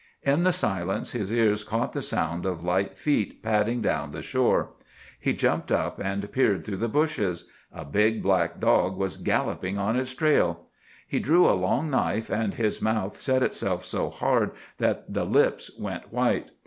In the silence, his ears caught the sound of light feet padding down the shore. He jumped up, and peered through the bushes. A big black dog was galloping on his trail. He drew a long knife, and his mouth set itself so hard that the lips went white.